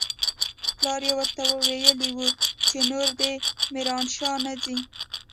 پلار يې ورته ويلي و چې نور دې ميرانشاه نه ځي.